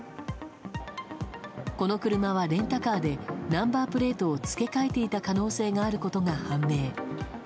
この車はレンタカーでナンバープレートを付け替えていた可能性があることが判明。